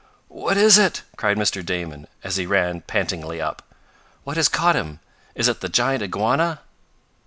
"What is it?" cried Mr. Damon, as he ran pantingly up. "What has caught him? Is it the giant iguana?"